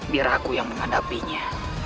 biar aku yang menghadapinya